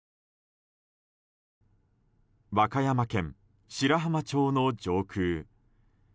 和歌山県白浜町の上空。